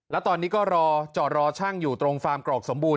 แล้วตอนนี้ก็รอจอดรอช่างอยู่ตรงฟาร์มกรอกสมบูรณ